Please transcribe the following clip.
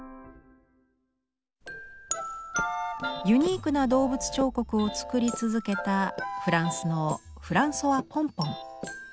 ユニークな動物彫刻を作り続けたフランスのフランソワ・ポンポン。